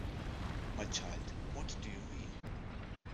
My child, what do you mean?